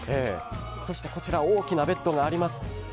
そしてこちら大きなベッドがあります。